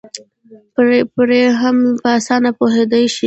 پرې هم په اسانه پوهېدی شي